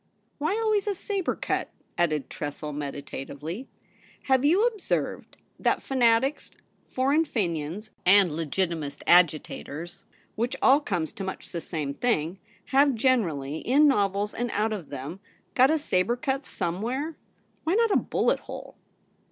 Why always a sabre cut ?' added Tressel meditatively. ' Have you ob served that Fanatics, Foreign Fenians, and Legitimist Agitators, which all comes to much the same thing, have generally — in novels and out of them — got a sabre cut somewhere ? Why not a bullet hole